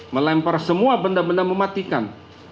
melempar semua benda benda mematikan